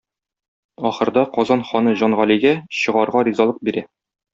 Ахырда Казан ханы Җан Галигә чыгарга ризалык бирә.